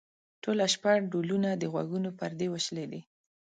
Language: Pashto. ټوله شپه ډولونه؛ د غوږونو پردې وشلېدې.